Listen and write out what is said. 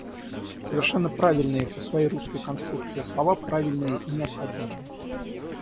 Совершенно правильные по своей русской конструкции слова, правильные и необходимые.